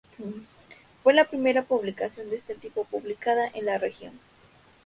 Fue la primera publicación de este tipo publicada en la región.